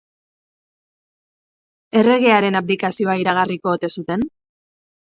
Erregearen abdikazioa iragarriko ote zuten?